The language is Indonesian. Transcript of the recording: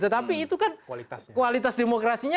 tetapi itu kan kualitas demokrasinya